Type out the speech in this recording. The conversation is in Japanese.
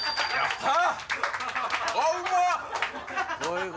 さあ